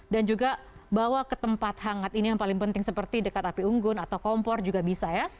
juga bawa ke tempat hangat ini yang paling penting seperti dekat api unggun atau kompor juga bisa ya